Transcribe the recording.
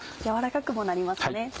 やわらかくもなりますね。